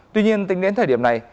tuy nhiên tính đến thời điểm này